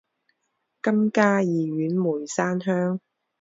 今嘉义县梅山乡。